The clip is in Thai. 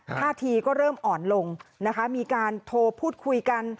ท่าทีก็เริ่มอ่อนลงนะคะมีการโทรพูดคุยกัน